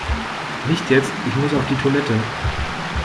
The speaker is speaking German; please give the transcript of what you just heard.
Nicht jetzt, ich muss auf die Toilette!